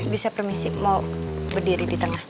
bisa permisif mau berdiri di tengah